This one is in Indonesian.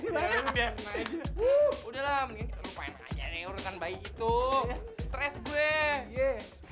udah udah mendingan rupanya aja deh urutan bayi itu stress gue